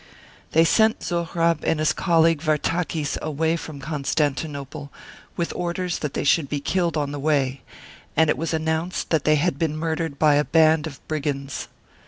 They sent Zohrab and his colleague Vartakis away from Constantinople, with orders that they should be killed on the way, and it was announced that they had been murdered by a band of brigands.